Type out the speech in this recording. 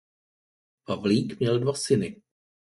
Pavlík měl dva syny.